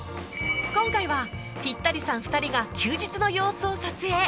今回はピッタリさん２人が休日の様子を撮影